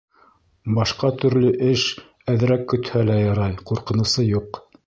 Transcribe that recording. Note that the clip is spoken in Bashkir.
Башҡа төрлө эш әҙерәк көтһә лә ярай, ҡурҡынысы юҡ.